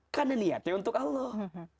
karena niatnya untuk allah